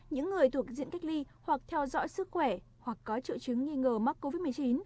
những người thuộc diện cách ly hoặc theo dõi sức khỏe hoặc có triệu chứng nghi ngờ mắc covid một mươi chín